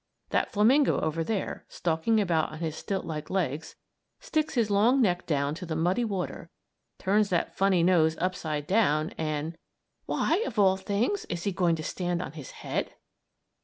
That flamingo over there, stalking about on his stilt like legs, sticks his long neck down to the muddy water, turns that funny nose upside down and "Why, of all things, is he going to stand on his head?"